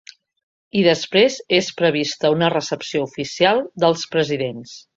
I després és prevista una recepció oficial dels presidents.